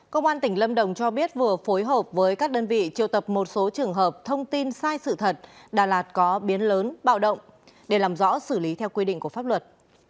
công an tỉnh lâm đồng cho biết vừa phối hợp với các đơn vị triều tập một số trường hợp thông tin sai sự thật đà lạt có biến lớn bạo động để làm rõ xử lý theo quy định của pháp luật